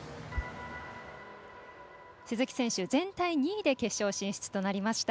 鈴木選手、全体２位で決勝進出となりました。